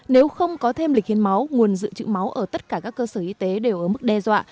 nếu không có thêm lịch hiến máu nguồn dự trữ máu ở tất cả các cơ sở y tế đều ở mức đe dọa